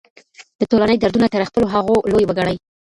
د ټولني دردونه تر خپلو هغو لوی وګڼئ.